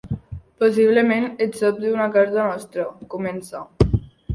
Possiblement et sobti una carta nostra, comença.